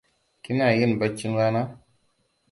Kina yin baccin rana?